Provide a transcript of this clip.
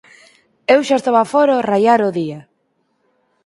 Eu xa estaba fóra ó raiar o día.